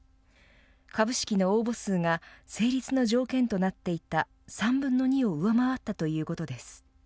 株式の応募数が成立の条件となっていた３分の２を上回ったということです。